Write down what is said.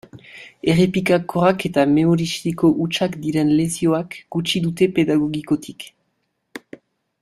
Errepikakorrak eta memoristiko hutsak diren lezioak gutxi dute pedagogikotik.